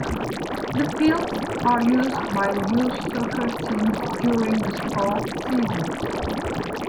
The fields are used by youth soccer teams during the sport seasons.